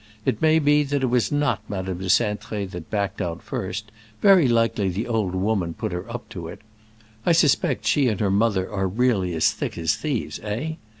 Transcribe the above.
It may be that it was not Madame de Cintré that backed out first, very likely the old woman put her up to it. I suspect she and her mother are really as thick as thieves, eh?